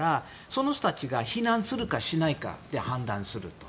その人たちが避難するかしないかで判断すると。